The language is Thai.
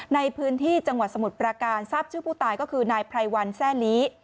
ในพื้นที่จังหวัดสมุทรประการทราบชื่อผู้ตายก็คือนายไพรวันแซ่ลี